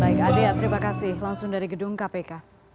iya terima kasih langsung dari gedung kpk